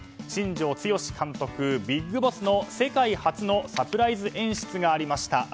新庄剛志監督、ＢＩＧＢＯＳＳの世界初のサプライズ演出がありました。